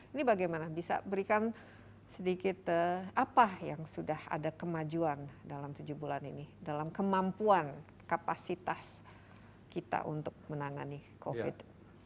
ini bagaimana bisa berikan sedikit apa yang sudah ada kemajuan dalam tujuh bulan ini dalam kemampuan kapasitas kita untuk menangani covid sembilan belas